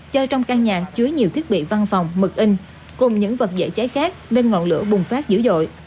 do trong căn nhà chứa nhiều thiết bị văn phòng mực in cùng những vật dễ cháy khác nên ngọn lửa bùng phát dữ dội